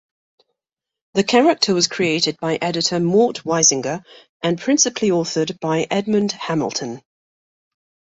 The character was created by editor Mort Weisinger and principally authored by Edmond Hamilton.